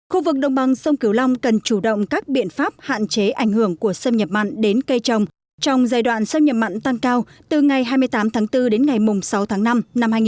khu vực đồng bằng sông cửu long cần chủ động các biện pháp hạn chế ảnh hưởng của xâm nhập mặn đến cây trồng trong giai đoạn xâm nhập mặn tăng cao từ ngày hai mươi tám tháng bốn đến ngày sáu tháng năm năm hai nghìn hai mươi